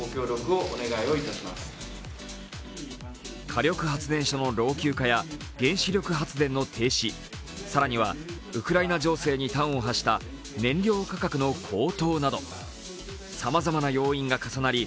火力発電所の老朽化や原子力発電の停止、更にはウクライナ情勢に端を発した燃料価格の高騰など、さまざまな要因が重なり